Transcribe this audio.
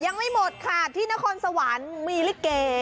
ยังไม่หมดค่ะที่นครสวรรค์มีลิเก